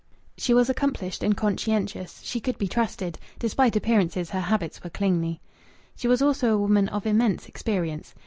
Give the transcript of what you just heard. She was accomplished and conscientious; she could be trusted; despite appearances, her habits were cleanly. She was also a woman of immense experience.